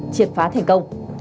triệt phá thành công